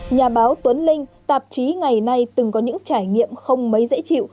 nhà báo tuấn linh tạp chí ngày nay từng có những trải nghiệm không mấy dễ chịu